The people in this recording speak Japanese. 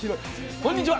こんにちは。